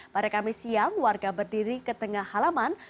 pada kamis siang warga berdiri ke tengah halaman